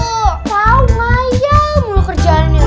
wow maya mulu kerjaan ini